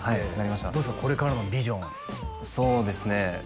どうぞこれからのビジョンをそうですね